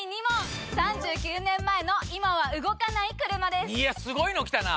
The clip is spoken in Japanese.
８１万⁉いやすごいの来たな！